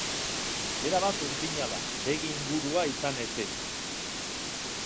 Erabat urdina da, begi ingurua izan ezik.